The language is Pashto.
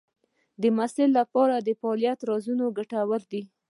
د محصل لپاره د فعالیت ارزونه ګټوره ده.